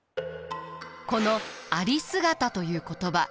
この有姿という言葉